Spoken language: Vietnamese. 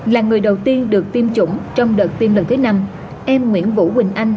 là người đầu tiên được tiêm chủng trong đợt tiêm lần thứ năm em nguyễn vũ quỳnh anh